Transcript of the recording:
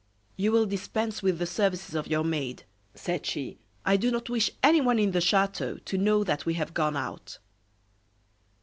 "You will dispense with the services of your maid," said she. "I do not wish anyone in the chateau to know that we have gone out."